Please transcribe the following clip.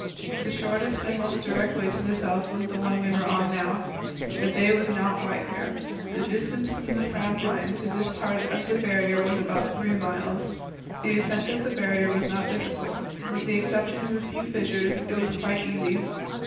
The shortest and most direct way to the south was the one we were on now. The bay was not wide here. The distance from Framheim to this part of the Barrier was about three miles. The ascent of the Barrier was not difficult; with the exception of a few fissures it was quite easy.